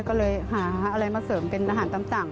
ก็เลยหาอะไรมาเสริมเป็นอาหารตามสั่ง